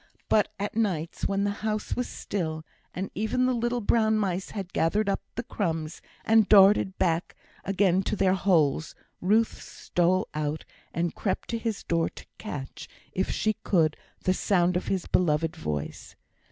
But at nights, when the house was still, and even the little brown mice had gathered up the crumbs, and darted again to their holes, Ruth stole out, and crept to his door to catch, if she could, the sound of his beloved voice.